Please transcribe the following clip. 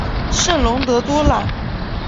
圣龙德多朗。